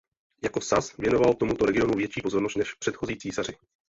Jako Sas věnoval tomuto regionu větší pozornost než předchozí císaři.